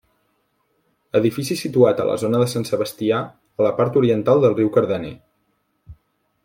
Edifici situat a la zona de Sant Sebastià, a la part oriental del riu Cardener.